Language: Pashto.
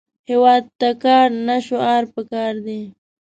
هیواد ته کار، نه شعار پکار دی